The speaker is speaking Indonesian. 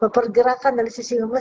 pergerakan dari sisi imun